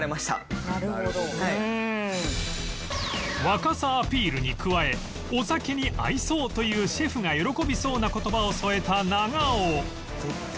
若さアピールに加え「お酒に合いそう」というシェフが喜びそうな言葉を添えた長尾